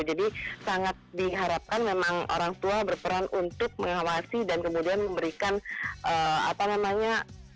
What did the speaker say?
jadi sangat diharapkan memang orang tua berperan untuk mengawasi dan kemudian memberikan apa namanya